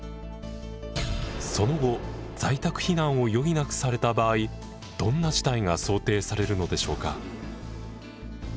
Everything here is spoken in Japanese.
その後在宅避難を余儀なくされた場合どんな事態が想定されるのでしょうか？